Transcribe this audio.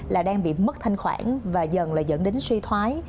là đang bị mất thanh khoản và dần lại dẫn đến suy thoái